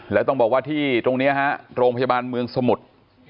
แล้วต้องบอกว่าที่ตรงนี้ฮะโรงพยาบาลเมืองสมุทร